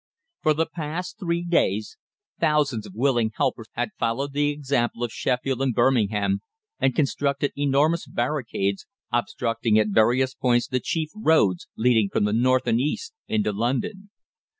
For the past three days thousands of willing helpers had followed the example of Sheffield and Birmingham, and constructed enormous barricades, obstructing at various points the chief roads leading from the north and east into London.